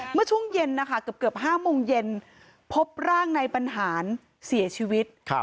เมื่อช่วงเย็นเกือบ๕มุมเย็นพบร่างในปัญหาเสียชีวิต